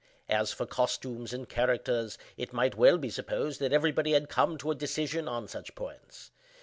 As for costumes and characters, it might well be supposed that everybody had come to a decision on such points.